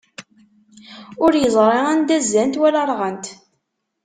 Ur iẓri anda zzant wala ṛɣant.